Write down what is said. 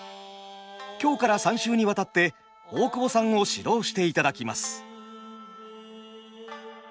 今日から３週にわたって大久保さんを指導していただきます。